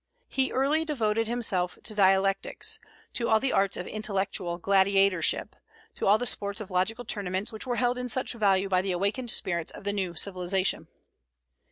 He early devoted himself to dialectics, to all the arts of intellectual gladiatorship, to all the sports of logical tournaments which were held in such value by the awakened spirits of the new civilization.